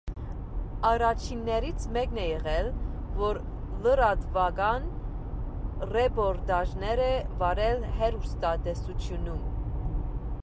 Առաջիններից մեկն է եղել, որ լրատվական ռեպորտաժներ է վարել հեռուստատեսությունում։